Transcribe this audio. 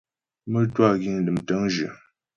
Mə́twâ giŋ dəm tə̂ŋjyə.